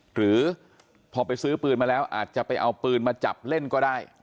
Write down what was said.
หรือพอไปซื้อปืนมาแล้วอาจจะไปเอาปืนมาจับเล่นก็ได้